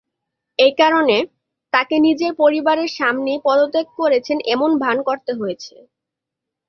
এই কারণে, তাকে নিজের পরিবারের সামনেই পদত্যাগ করেছেন এমন ভান করতে হয়েছে।